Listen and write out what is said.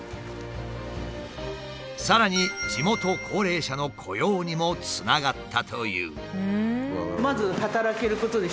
さらに地元高齢者の雇用にもつながったという。